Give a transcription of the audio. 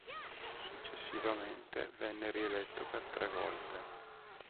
Successivamente venne rieletto per tre volte.